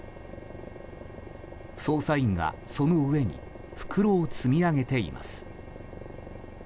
捜査員がその上に袋を積み上げています。